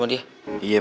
wah ken sickness